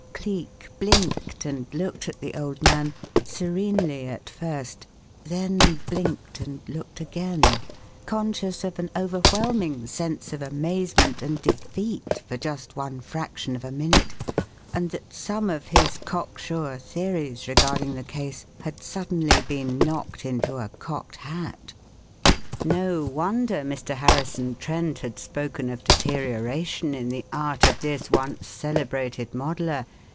Cleek blinked and looked at the old man, serenely at first, then blinked and looked again, conscious of an overwhelming sense of amazement and defeat for just one fraction of a minute, and that some of his cocksure theories regarding the case had suddenly been knocked into a cocked hat. No wonder Mr. Harrison Trent had spoken of deterioration in the art of this once celebrated modeller.